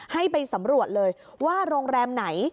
ให้ไปสำรวจเลยว่าโรงแรมไหน